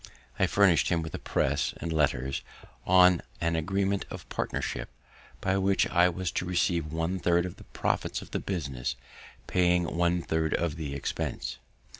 I furnish'd him with a press and letters, on an agreement of partnership, by which I was to receive one third of the profits of the business, paying one third of the expense.